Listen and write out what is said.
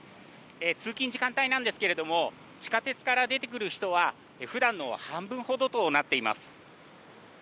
通勤時間帯なんですけれども、地下鉄から出てくる人は、ふだんの半分ほどとなっています。